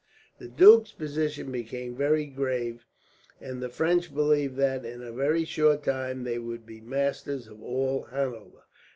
The duke's position became very grave, and the French believed that, in a very short time, they would be masters of all Hanover.